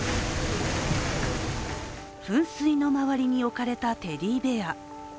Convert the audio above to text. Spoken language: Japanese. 噴水の周りに置かれたテディベア。